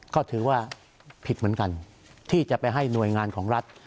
ก็ถือว่าผิดเหมือนกันที่จะไปให้หน่วยงานของรัฐ